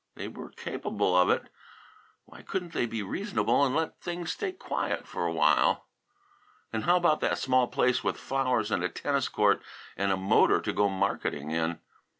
They were capable of it. Why couldn't they be reasonable and let things stay quiet for a while? And how about that small place with flowers and a tennis court and a motor to go marketing in?